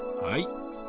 はい。